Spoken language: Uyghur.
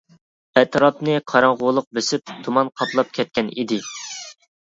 ئەتراپنى قاراڭغۇلۇق بېسىپ، تۇمان قاپلاپ كەتكەن ئىدى.